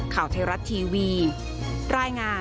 ข่าวไทยรัฐทีวีดร